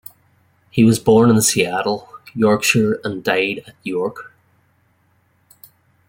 He was born in Settle, Yorkshire and died at York.